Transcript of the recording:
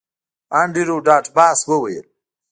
انډریو ډاټ باس وویل